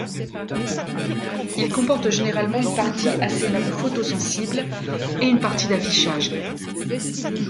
Il comporte généralement une partie à cellule photosensible et une partie d'affichage.